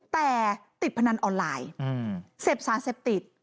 แต่ติดพนันออนไลน์เสพสารเสพติด